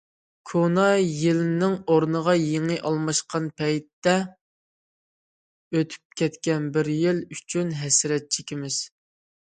كونا يىلنىڭ ئورنىغا يېڭى ئالماشقان پەيتتە، ئۆتۈپ كەتكەن بىر يىل ئۈچۈن ھەسرەت چېكىمىز.